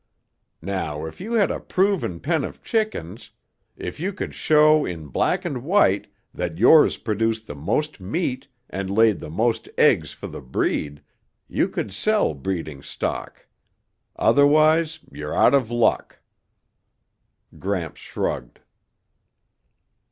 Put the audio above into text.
Now if you had a proven pen of chickens, if you could show in black and white that yours produced the most meat and laid the most eggs for the breed, you could sell breeding stock. Otherwise you're out of luck." Gramps shrugged.